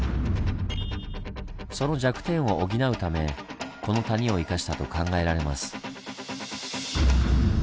その弱点を補うためこの谷を生かしたと考えられます。